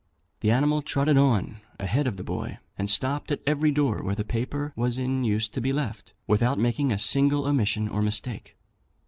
The animal trotted on a head of the boy, and stopped at every door where the paper was in use to be left, without making a single omission or mistake.